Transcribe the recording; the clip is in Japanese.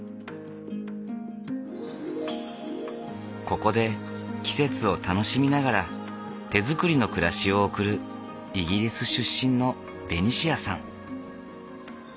ここで季節を楽しみながら手作りの暮らしを送るイギリス出身のベニシアさん。